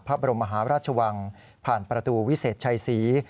พระบรมมหาราชวังผ่านประตูวิเศษชัยศรี